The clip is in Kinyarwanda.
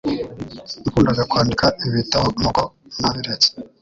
Nakundaga kwandika ibitabo nuko nabiretse